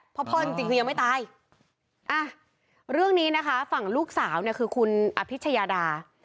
เพราะพ่อจริงคือยังไม่ตายอ่ะเรื่องนี้นะคะฝั่งลูกสาวเนี่ยคือคุณอภิชยาดา